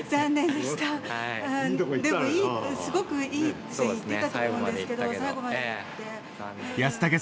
でもすごくいいって言ってたと思うんですけど。